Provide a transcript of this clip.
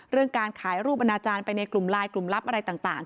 การขายรูปอนาจารย์ไปในกลุ่มไลน์กลุ่มลับอะไรต่าง